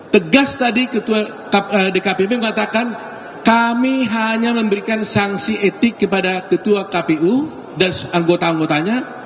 tegas tadi ketua dkpp mengatakan kami hanya memberikan sanksi etik kepada ketua kpu dan anggota anggotanya